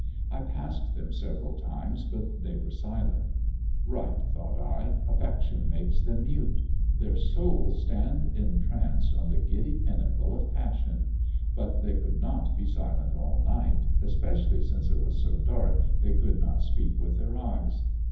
I passed them several times, but they were silent. Right, thought I, affection makes them mute! Their souls stand entranced on the giddy pinnacle of passion! But they could not be silent all night, especially since it was so dark they could not speak with their eyes.